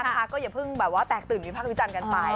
นะคะก็อย่าพึ่งแบบว่าแตกตื่นวิพากษฟิจันทร์กันไป